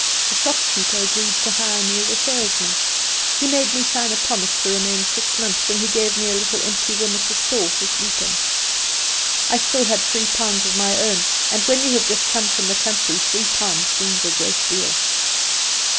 A shopkeeper agreed to hire me as salesman. He made me sign a promise to remain six months, and he gave me a little empty room at the back of the store to sleep in. I had still three pounds of my own, and when you just come from the country three pounds seems a great deal.